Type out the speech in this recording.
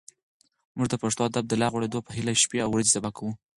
موږ د پښتو ادب د لا غوړېدو په هیله شپې او ورځې سبا کوو.